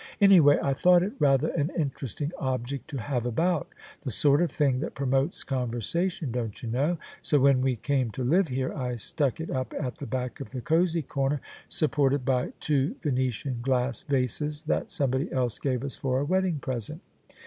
An5rway I thought it rather an interesting object to have about — the sort of thing that promotes conversation, don't you know? — so when we came to live here I stuck it up at the back of the cosey corner, supported by two Venetian THE SUBJECTION glass vases that somebody else gave us for a wedding present."